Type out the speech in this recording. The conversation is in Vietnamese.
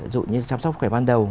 dụ như là chăm sóc khỏe văn đầu